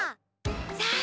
さあ